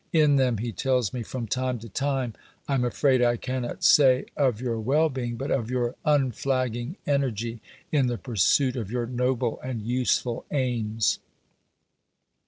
In them he tells me from time to time, I am afraid I cannot say of your well being, but of your unflagging energy in the pursuit of your noble and useful aims.